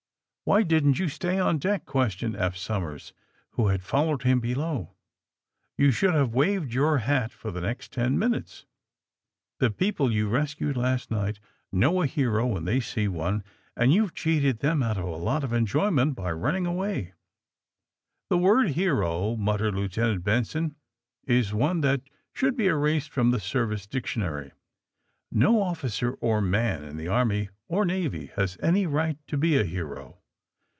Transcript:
^^Why didn't you stay on deck?" questioned Eph Somers, who had followed him below. *'You should have waved your hat for the next ten minutes. The joeople you rescued last night know a hero when they see one, and you've cheated them out of a lot of enjoyment by run ning away." ^^The word 'hero,' " muttered Lieutenant Benson, '4s one that should be erased from the service dictionary. No officer or man in the Army or Navy has any right to be a hero.